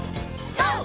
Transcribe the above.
ＧＯ！